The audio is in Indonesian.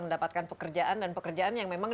mendapatkan pekerjaan dan pekerjaan yang memang